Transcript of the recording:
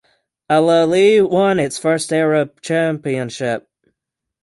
Al Ahly won its first Arab championship.